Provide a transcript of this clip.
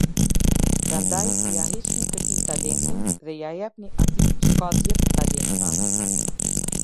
Prandaj ia hiqni këtij talentin dhe ia jepni atij që ka dhjetë talenta.